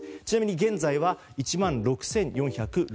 ちなみに現在は１万６４６７人。